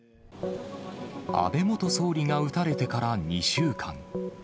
安倍元総理が撃たれてから２週間。